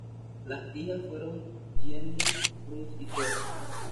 Las hijas fueron Jeanette, Rose y Cora.